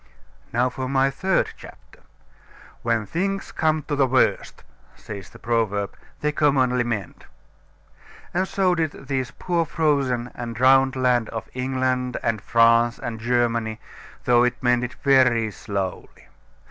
Now for my third chapter. "When things come to the worst," says the proverb, "they commonly mend;" and so did this poor frozen and drowned land of England and France and Germany, though it mended very slowly.